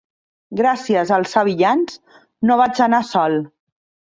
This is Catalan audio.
Gràcies als sevillans, no vaig anar sol.